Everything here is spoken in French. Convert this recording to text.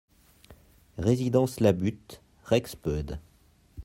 Résidence La Butte, Rexpoëde